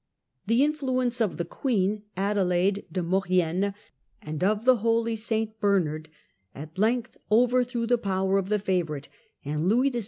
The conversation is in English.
The influence of the queen, Adelaide de Maurienne, and of the holy St Bernard at length over threw the power of the favourite, and Louis VI.